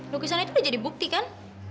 lukisannya itu udah jadi bukti kan